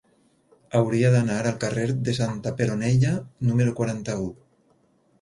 Hauria d'anar al carrer de Santa Peronella número quaranta-u.